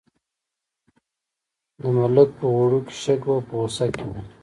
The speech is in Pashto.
د ملک په وړو کې شګه وه په غوسه کې و.